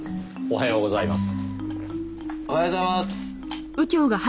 おはようございます。